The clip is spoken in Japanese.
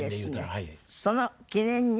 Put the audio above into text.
その記念に。